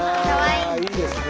いいですね！